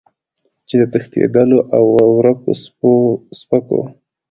چې د تښتېدلو او ورکو سپکو